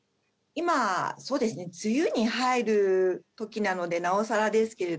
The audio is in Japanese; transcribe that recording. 「今そうですね梅雨に入る時なのでなおさらですけれどもやはり」